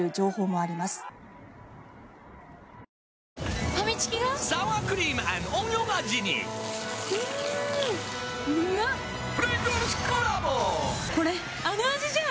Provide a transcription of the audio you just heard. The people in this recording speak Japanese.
あの味じゃん！